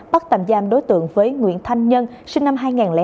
bắt tạm giam đối tượng với nguyễn thanh nhân sinh năm hai nghìn chín